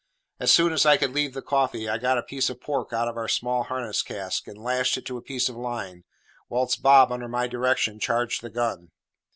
As soon as I could leave the coffee, I got a piece of pork out of our small harness cask, and lashed it to a piece of line, whilst Bob, under my directions, charged the gun.